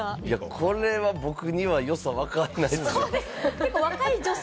これは僕には良さはわからない。